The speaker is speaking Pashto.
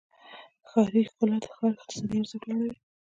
ښاري ښکلا د ښار اقتصادي ارزښت لوړوي.